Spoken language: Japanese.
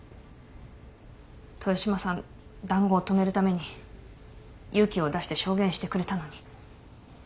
豊島さん談合を止めるために勇気を出して証言してくれたのに。